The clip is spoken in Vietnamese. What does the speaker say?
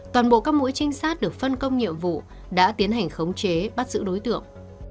toàn bộ các mũi trinh sát được phân công nhiệm vụ đã tiến hành khống chế bắt giữ đối tượng